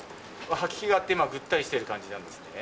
吐き気があって、ぐったりしてる感じなんですね。